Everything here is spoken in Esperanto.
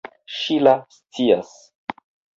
Ŝila scias.